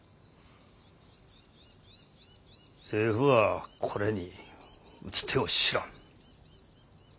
政府はこれに打つ手を知らん。